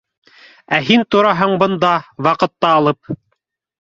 Ә һин тораһың бында, ваҡытты алып.